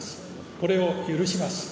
これを許します。